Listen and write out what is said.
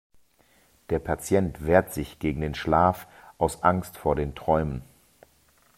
Der Patient wehrt sich gegen den Schlaf aus Angst vor den Träumen.